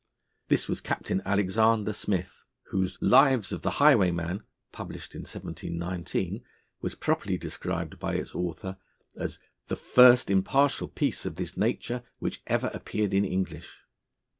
This was Captain Alexander Smith, whose Lives of the Highwaymen, published in 1719, was properly described by its author as 'the first impartial piece of this nature which ever appeared in English.'